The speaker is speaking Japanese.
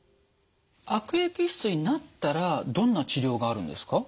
悪液質になったらどんな治療があるんですか？